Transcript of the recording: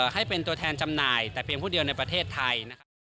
ให้เป็นตัวแทนจำหน่ายแต่เพียงผู้เดียวในประเทศไทยนะครับ